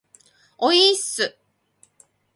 おいーっす